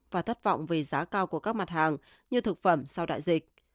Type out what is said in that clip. và thất vọng về giá cao của các mặt hàng như thực phẩm sau đại dịch